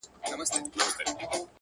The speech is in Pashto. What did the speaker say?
• چي شهید مي په لحد کي په نازیږي ,